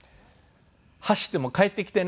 走っても帰ってきてね。